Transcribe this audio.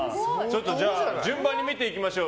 順番に見ていきましょう。